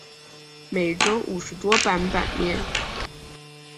每周五十多版版面。